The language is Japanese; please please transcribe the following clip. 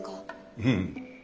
うん。